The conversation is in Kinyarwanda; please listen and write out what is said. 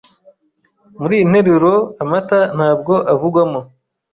Mur’iyi nteruro, amata ntabwo avugwamo.